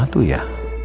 ya ini dia